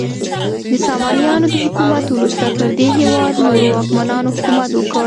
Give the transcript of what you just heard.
د سامانیانو د حکومت وروسته پر دې هیواد نورو واکمنانو حکومت وکړ.